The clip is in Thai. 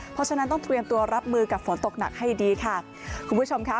เพราะฉะนั้นต้องเตรียมตัวรับมือกับฝนตกหนักให้ดีค่ะคุณผู้ชมค่ะ